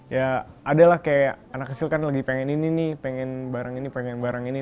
ya adalah kayak anak kecil kan lagi pengen ini nih pengen barang ini pengen barang ini